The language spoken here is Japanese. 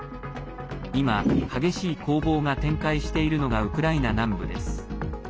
今、激しい攻防が展開しているのがウクライナ南部です。